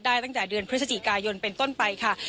ตั้งแต่เดือนพฤศจิกายนเป็นต้นไปค่ะ